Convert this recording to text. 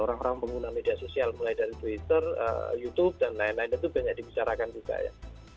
orang orang pengguna media sosial mulai dari twitter youtube dan lain lain itu banyak dibicarakan juga ya